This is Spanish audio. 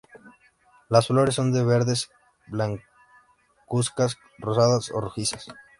Las flores son de verdes, blancuzcas, rosadas o rojizas.